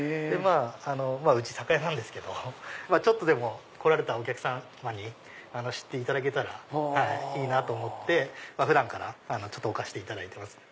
うち酒屋なんですけどちょっとでも来られたお客様に知っていただけたらいいなと思って普段から置かせていただいてます。